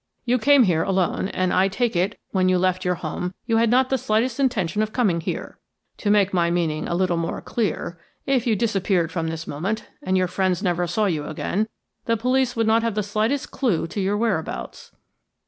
You came here alone; and, I take it, when you left your home, you had not the slightest intention of coming here. To make my meaning a little more clear, if you disappeared from this moment, and your friends never saw you again, the police would not have the slightest clue to your whereabouts."